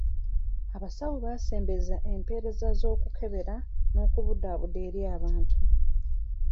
Abasawo basembezza empeereza z'okukebera n'okubudaabuda eri abantu.